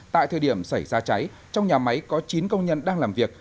tại thời điểm xảy ra cháy trong nhà máy có chín công nhân đang làm việc